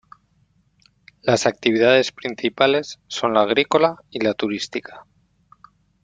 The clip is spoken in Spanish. Las actividades principales son la agrícola y la turística.